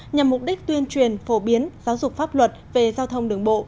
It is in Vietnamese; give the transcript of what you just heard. nhằm mục đích tuyên truyền phổ biến giáo dục pháp luật về giao thông đường bộ